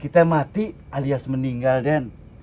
kita mati alias meninggal den